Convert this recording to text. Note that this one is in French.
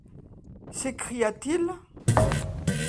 s'écria-t-il ?